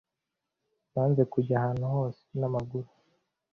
Banze kujya ahantu hose n'amaguru.